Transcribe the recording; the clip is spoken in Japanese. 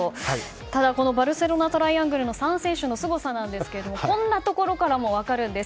ただバルセロナ・トライアングルの３選手のすごさなんですがこんなところからも分かるんです。